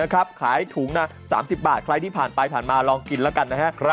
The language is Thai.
ขายถุงละ๓๐บาทใครที่ผ่านไปผ่านมาลองกินแล้วกันนะครับ